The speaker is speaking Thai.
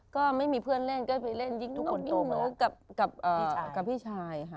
ก็ไม่มีเพื่อนเล่นก็ไปเล่นยิ้งหนูกับพี่ชาย